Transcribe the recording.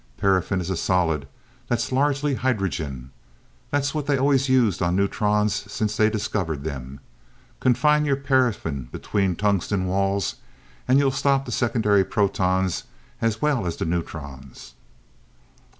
Paraffin is a solid that's largely hydrogen. That's what they've always used on neutrons since they discovered them. Confine your paraffin between tungsten walls, and you'll stop the secondary protons as well as the neutrons."